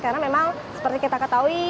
karena memang seperti kita ketahui